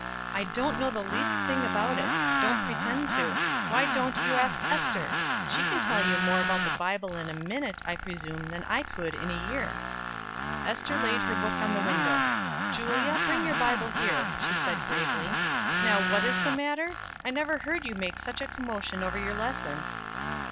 "I don't know the least thing about it don't pretend to. Why don't you ask Ester? She can tell you more about the Bible in a minute, I presume, than I could in a year." Ester laid her book on the window. "Julia, bring your Bible here," she said, gravely. "Now what is the matter? I never heard you make such a commotion over your lesson."